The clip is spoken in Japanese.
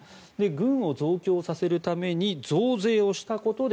軍を増強させるために増税をしたことで